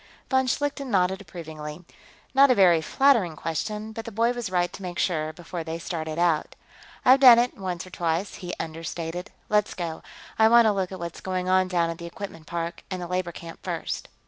Von Schlichten nodded approvingly. Not a very flattering question, but the boy was right to make sure, before they started out. "I've done it, once or twice," he understated. "Let's go; I want a look at what's going on down at the equipment park and the labor camp, first."